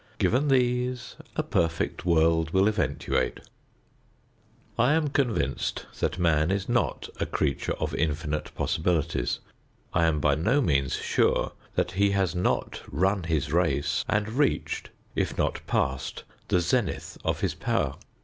Given these a perfect world will eventuate. I am convinced that man is not a creature of infinite possibilities. I am by no means sure that he has not run his race and reached, if not passed, the zenith of his power.